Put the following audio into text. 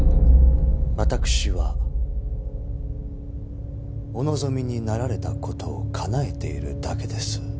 私はお望みになられたことをかなえているだけです。